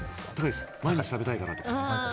毎日食べたいからとか。